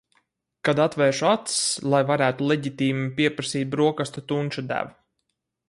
Kad atvēršu acis, lai varētu leģitīmi pieprasīt brokastu tunča devu.